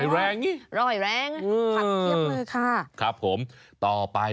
รอยแรงนี่อ่าฝักเทียบเลยค่ะครับผม